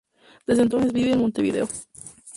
Desde entonces vive en Montevideo.